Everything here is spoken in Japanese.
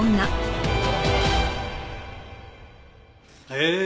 へえ。